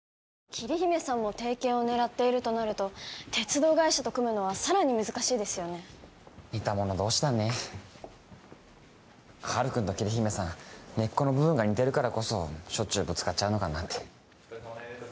桐姫さんも提携を狙っているとなると鉄道会社と組むのはさらに難しいですよね似た者同士だねハル君と桐姫さん根っこの部分が似てるからこそしょっちゅうぶつかっちゃうのかなってお疲れさまです